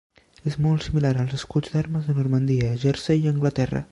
És molt similar als escuts d'armes de Normandia, Jersey i Anglaterra.